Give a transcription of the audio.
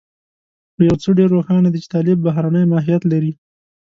خو يو څه ډېر روښانه دي چې طالب بهرنی ماهيت لري.